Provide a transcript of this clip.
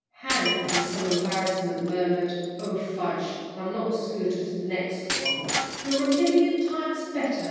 Hank, in some embarrassment, murmured, "Oh, fudge, I'm not as good as the next one." "You're a million times better!"